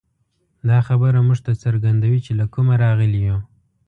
دا خبره موږ ته څرګندوي، چې له کومه راغلي یو.